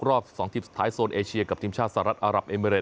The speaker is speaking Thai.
รอบ๒ทีมสุดท้ายโซนเอเชียกับทีมชาติสหรัฐอารับเอเมริด